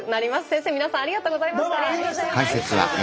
先生皆さんありがとうございました。